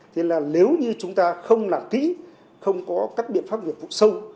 thế là nếu như chúng ta không làm kỹ không có các biện pháp nghiệp vụ sâu